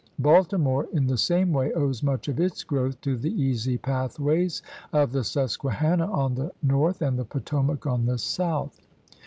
Baltimore, in the same way, owes much of its growth to the easy pathways of the Susquehanna on the north and the Potomac on the south.